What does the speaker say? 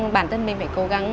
bản thân mình phải cố gắng